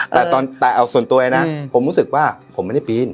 แม่งปั๊บแต่เอาส่วนตัวไอ้นั้นผมรู้สึกว่าผมไม่ได้ปีน